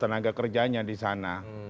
tenaga kerjanya disana